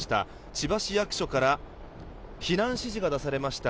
千葉市役所から避難指示が出されました。